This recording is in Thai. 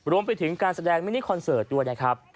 รวมไปถึงการแสดงมินิคอนเสิร์ตด้วยนะครับ